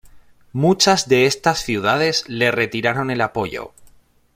Muchas de estas ciudades le retiraron el apoyo.